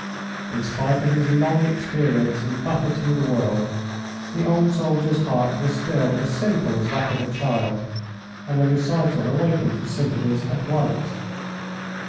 In spite of his long experience in buffeting the world, the old soldier's heart was still as simple as that of a child, and the recital awakened his sympathies at once.